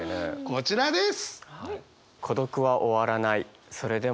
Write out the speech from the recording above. こちらです！